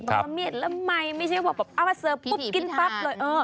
คำเมียดแล้วไม่ไม่ใช่ว่าเอามาเสิร์ฟปุ๊บกินปั๊บเลย